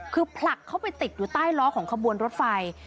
คือผลักเข้าไปติดอยู่ใต้ล้อของขบวนรถไฟ